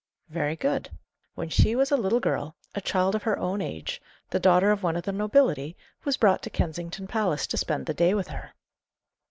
"Very good. When she was a little girl, a child of her own age, the daughter of one of the nobility, was brought to Kensington Palace to spend the day with her.